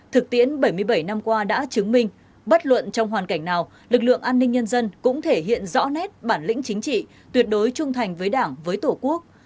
thực tiễn bảy mươi bảy năm qua đã chứng minh bất luận trong hoàn cảnh nào lực lượng an ninh nhân dân cũng thể hiện rõ nét bản lĩnh chính trị tuyệt đối trung thành với đảng với tổ quốc